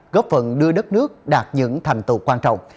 góp phần đưa đất nước đạt những thành tựu quan trọng